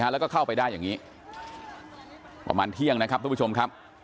แล้วก็เข้าไปได้อย่างนี้ประมาณเที่ยงนะครับทุกผู้ชมครับ